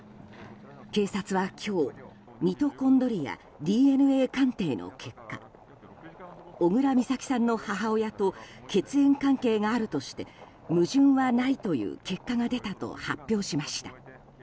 警察は、今日ミトコンドリアＤＮＡ鑑定の結果小倉美咲さんの母親と血縁関係があるとして矛盾はないという結果が出たと発表しました。